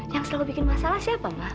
yang selalu bikin masalah siapa mbak